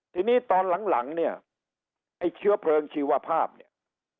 ทีนี้ตอนหลังเนี่ยไอ้เชื้อเพลิงชีวภาพเนี่ย